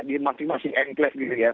di masing masing enkles